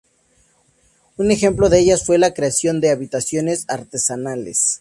Un ejemplo de ellas fue la creación de habitaciones artesanales.